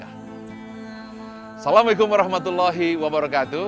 assalamualaikum wr wb